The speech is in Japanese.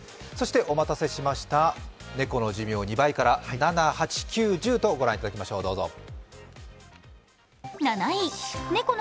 そしてお待たせしました、猫の寿命２倍から、７１０位を御覧いただきましょう、どうぞ。